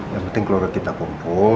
yang penting keluarga kita kumpul